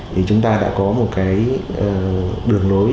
thì chúng ta đã có một cái đường lối